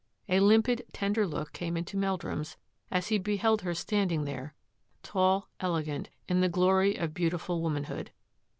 A limpid, tender look came into Meldrum's as he beheld her standing there, tall, elegant, in the glory of beautiful womanhood.